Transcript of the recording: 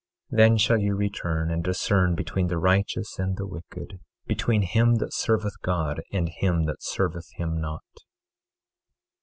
24:18 Then shall ye return and discern between the righteous and the wicked, between him that serveth God and him that serveth him not.